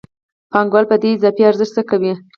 پانګوال په دې اضافي ارزښت څه کوي